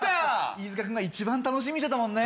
飯塚君が一番楽しみにしてたもんね